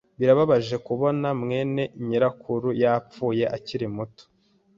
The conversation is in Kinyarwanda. Birababaje kubona mwene nyirakuru yapfuye akiri muto.